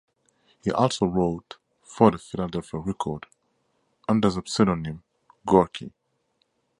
He also wrote for "The Philadelphia Record" under the pseudonym "Gorky.